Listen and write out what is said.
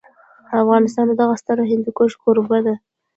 افغانستان د دغه ستر هندوکش کوربه دی.